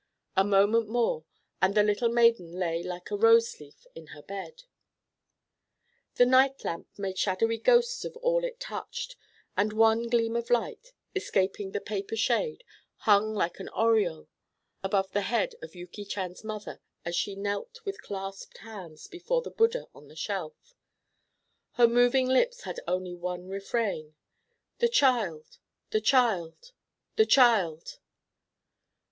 A moment more and the little maiden lay like a rose leaf in her bed. The night lamp made shadowy ghosts of all it touched, and one gleam of light, escaping the paper shade, hung like an aureole above the head of Yuki Chan's mother as she knelt with clasped hands before the Buddha on the shelf. Her moving lips had only one refrain: "The child, the child, the child."